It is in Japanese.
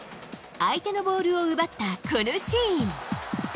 相手のボールを奪ったこのシーン。